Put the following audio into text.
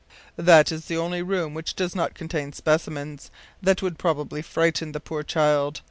“That is the only room which does not contain specimens that would probably frighten the poor child.